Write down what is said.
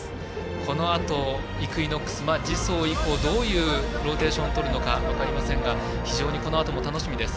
このあとイクイノックス次走以降どういうローテーションをとるのか分かりませんが非常にこのあとも楽しみです。